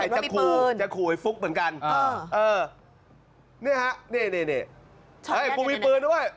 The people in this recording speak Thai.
จะขู่จะขู่ไอ้ฟุ๊กเหมือนกันนี่ฮะนี่กูมีปืนด้วย